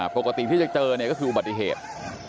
ปกติที่จะเจอเนี่ยก็คืออุบัติเหตุ